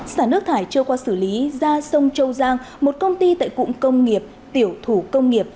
xả nước thải chưa qua xử lý ra sông châu giang một công ty tại cụng công nghiệp tiểu thủ công nghiệp